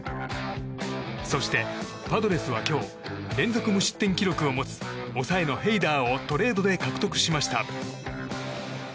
そして、パドレスは今日連続無失点記録を持つ抑えのヘイダーをトレードで獲得しました。